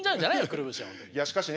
いやしかしね